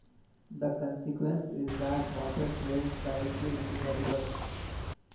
The consequence is that water drains directly into the rivers.